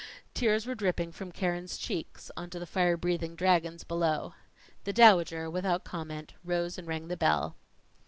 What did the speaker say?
Tears were dripping from Keren's cheeks onto the fire breathing dragons below. The Dowager, without comment, rose and rang the bell.